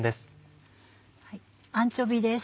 アンチョビーです。